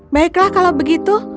baiklah kalau begitu